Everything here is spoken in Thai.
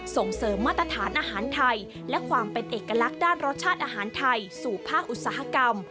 ส่งเสริมมาตรฐานอาหารไทยและความเป็นเอกลักษณ์ด้านรสชาติอาหารไทยสู่ภาคอุตสาหกรรม